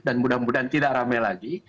dan mudah mudahan tidak rame lagi